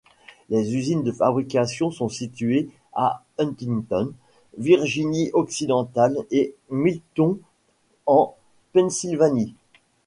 Les usines de fabrication sont situés à Huntington, Virginie-Occidentale, et Milton, en Pennsylvanie.